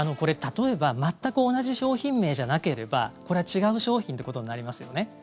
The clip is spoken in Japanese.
例えば全く同じ商品名じゃなければこれは違う商品ということになりますよね。